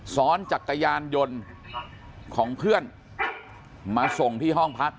ซ้อนจักรยานยนต์ของเพื่อนมาส่งที่ห้องพัก